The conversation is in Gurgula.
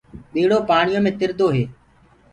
ٻيڙو پآڻيو مي تِردو هي۔